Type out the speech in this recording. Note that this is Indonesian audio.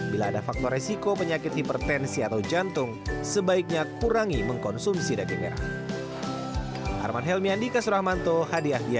bila ada faktor resiko penyakit hipertensi atau jantung sebaiknya kurangi mengkonsumsi daging merah